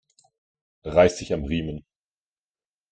Reiß dich am Riemen!